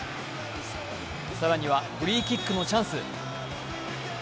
更にはフリーキックのチャンス。